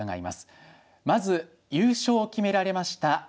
まず優勝を決められました